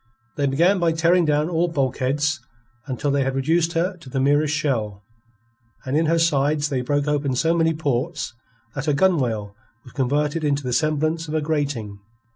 They began by tearing down all bulkheads, until they had reduced her to the merest shell, and in her sides they broke open so many ports that her gunwale was converted into the semblance of a grating.